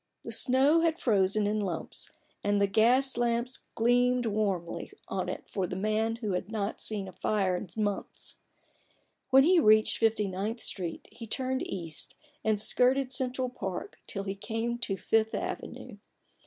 The snow had frozen in lumps, and the gas lamps gleamed warmly THE BARGAIN OF RUPERT ORANGE. 9 on it for the man who had not seen a fire in months. When he reached Fifty ninth Street, he turned east and skirted Central Park till he came to the Fifth Avenue.